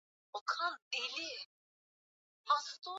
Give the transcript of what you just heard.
Aliyekuwa amejiinamia akauliza aliyekuwa akimwita ni nani